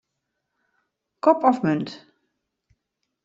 Kop of munt.